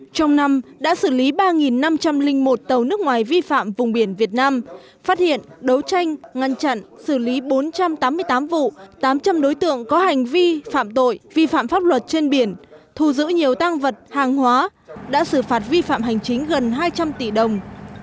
trong năm đã xử lý ba năm trăm linh một tàu nước ngoài vi phạm vùng biển việt nam phát hiện đấu tranh ngăn chặn xử lý bốn trăm tám mươi tám vụ tám trăm linh đối tượng có hành vi phạm tội vi phạm pháp luật trên biển thù giữ nhiều tăng vật hàng hóa đã xử phạt vi phạm hành chính gần hai trăm linh tỷ đồng